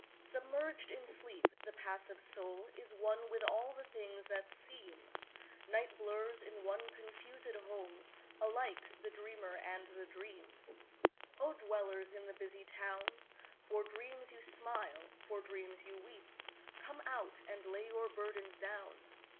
Submerged in sleep, the passive soulIs one with all the things that seem; Night blurs in one confusèd wholeAlike the dreamer and the dream.O dwellers in the busy town! For dreams you smile, for dreams you weep. Come out, and lay your burdens down!